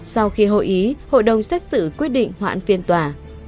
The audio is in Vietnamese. sau khi hội ý hội đồng xét xử quyết định hoãn phiên tòa